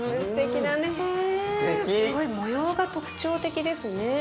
すごい模様が特徴的ですね。